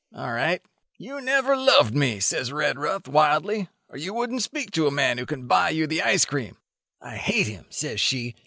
All right. 'You never loved me,' says Redruth, wildly, 'or you wouldn't speak to a man who can buy you the ice cream.' 'I hate him,' says she.